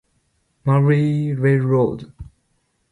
Marie Railroad.